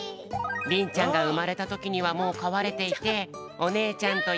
りんちゃんがうまれたときにはもうかわれていておねえちゃんと．